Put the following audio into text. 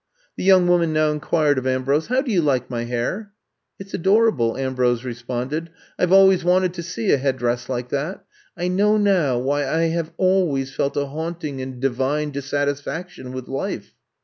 The young woman now inquired of Am brose, '^ How do you like my hair ?'' It *s adorable,'* Ambrose responded. ^*I Ve always wanted to see a headdress like that. I know now why I have always felt a haunting and divine dissatisfaction with life.''